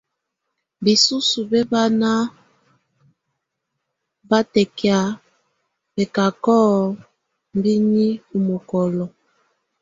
Bisusə bɛ bana batɛtkia bɛcacɔ biəŋi ɔ mokolo.